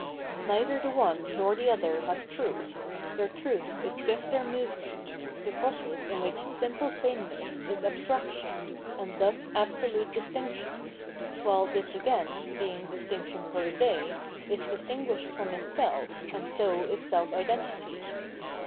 Neither the one nor the other has truth ; their truth is just their movement, the process in which sinaple sameness is abstraction and thus absolute distinction, while tbiff again, being distmction per se, is distinguished from itself and so is self identity.